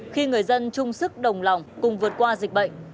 khi người dân chung sức đồng lòng cùng vượt qua dịch bệnh